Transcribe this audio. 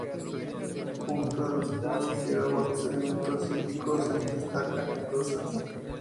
Junto a los cursos de agua, dos elementos hídricos destacan en Brozas.